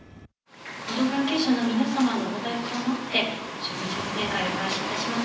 報道関係者の皆様のご退室を待って、住民説明会を開始いたします。